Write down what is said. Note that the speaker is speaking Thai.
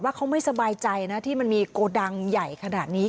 เขาไม่สบายใจนะที่มันมีโกดังใหญ่ขนาดนี้